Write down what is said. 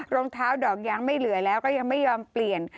รองเท้าดอกยังไม่เหลือแล้วก็ยังไม่ยอมเปลี่ยน